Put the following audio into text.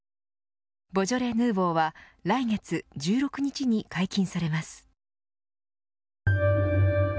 ボジョレ・ヌーボーは来月１６日に解禁されます。